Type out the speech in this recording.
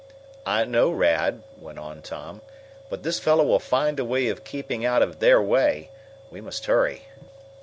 "I know, Rad," went on Tom; "but this fellow will find a way of keeping out of their way. We must hurry."